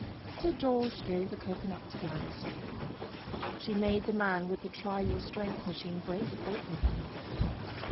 So George gave the cocoanut to Gladys. She made the man with the Try your Strength machine break it open for her.